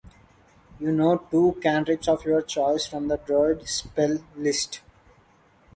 You know two cantrips of your choice from the druid spell list.